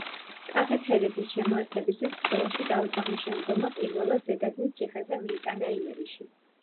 კახეთ-ჰერეთის შემოერთებისათვის ბრძოლაში დავით აღმაშენებელმა პირველად ზედაზნის ციხეზე მიიტანა იერიში.